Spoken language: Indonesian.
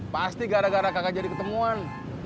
pasti gara gara kakak jadi ketemuan